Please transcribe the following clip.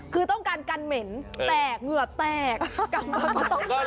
คือต้องการกันเหม็นแตกเหงื่อแตกกลับมาก็ต้อง